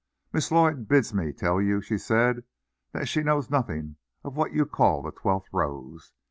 "Miss Lloyd bids me tell you," she said, "that she knows nothing of what you call the twelfth rose.